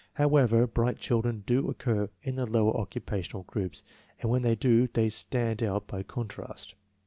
However, bright children do occur in the lower occu pational groups, and when they do they stand out by contrast.